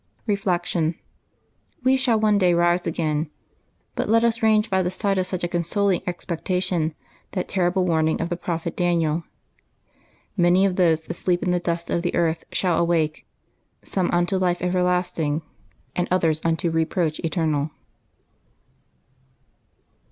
Reflection. — We shall one day rise again; but let us range by the side of such a consoling expectation that terri ble warning of the prophet Daniel, "Many of those that sleep in the dust of the earth shall awake, some unto life everlasting, and others unto reproach eternal.'